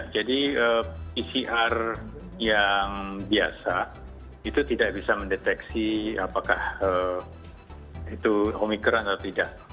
jadi pcr yang biasa itu tidak bisa mendeteksi apakah itu omikron atau tidak